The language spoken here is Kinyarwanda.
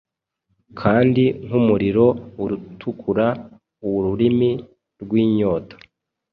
Kandi nkumuriro utukura Ururimi rwinyota